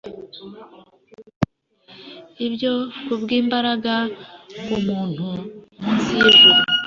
Ibyo kubwimbaraga umuntu munsi yijuru